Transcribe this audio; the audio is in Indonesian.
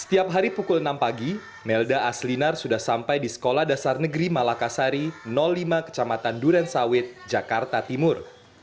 setiap hari pukul enam pagi melda aslinar sudah sampai di sekolah dasar negeri malakasari lima kecamatan durensawit jakarta timur